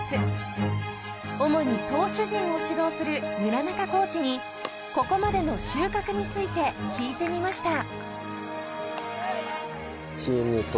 ［主に投手陣を指導する村中コーチにここまでの収穫について聞いてみました］